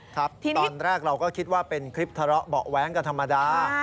ครับตอนแรกเราก็คิดว่าเป็นคลิปทะเลาะเบาะแว้งกันธรรมดา